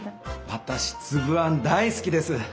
私つぶあん大好きです。